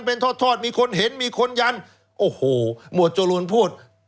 โอ้โหหมาวดจรูนพูด